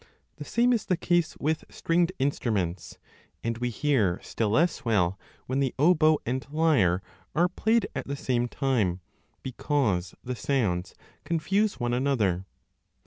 The same is the case with stringed instruments ; and we hear still less well when the oboe and lyre are played at the same time, because the sounds confuse one another.